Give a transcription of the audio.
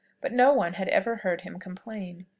But no one had ever heard him complain.